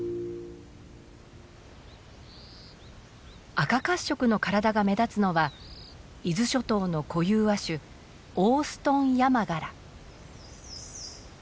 赤褐色の体が目立つのは伊豆諸島の固有亜種オーストンヤマガラ。